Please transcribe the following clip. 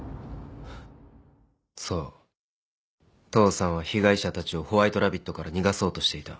そう父さんは被害者たちをホワイトラビットから逃がそうとしていた。